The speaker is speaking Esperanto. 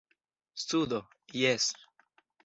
Sudo, jes.